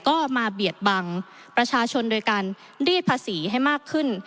ก็มาเบียดบังประชาชนโดยการรีดภาษีให้มากขึ้น